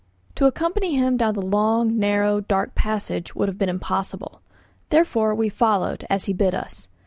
To accompany him down the long, narrow, dark passage, would have been impossible. Therefore, we followed, as he bid us.